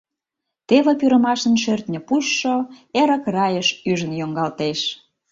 Теве пӱрымашын шӧртньӧ пучшо Эрык райыш ӱжын йоҥгалтеш.